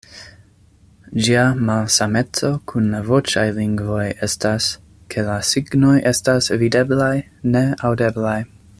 Ĝia malsameco kun la voĉaj lingvoj estas, ke la signoj estas videblaj, ne aŭdeblaj.